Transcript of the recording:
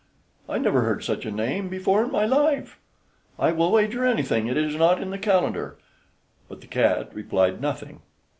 I never heard such a name before in my life; I will wager anything it is not in the calendar," but the cat replied nothing.